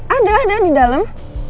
ada ada di dalam